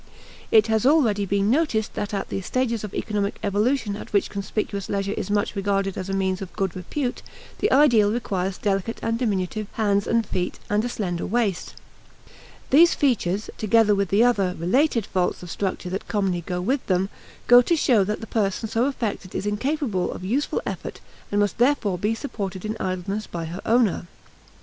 It has already been noticed that at the stages of economic evolution at which conspicuous leisure is much regarded as a means of good repute, the ideal requires delicate and diminutive hands and feet and a slender waist. These features, together with the other, related faults of structure that commonly go with them, go to show that the person so affected is incapable of useful effort and must therefore be supported in idleness by her owner.